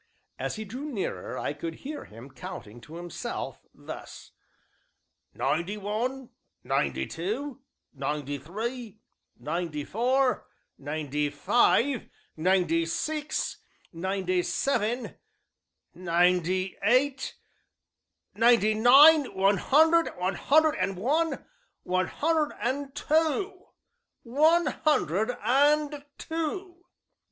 As he drew nearer I could hear him counting to himself, thus: "Ninety one, ninety two, ninety three, ninety four, ninety five, ninety six, ninety seven, ninety eight, ninety nine, one hundred, one hundred and one, one hundred and two one hundred and two!"